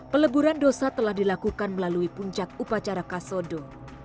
peleburan dosa telah dilakukan melalui puncak upacara kasodo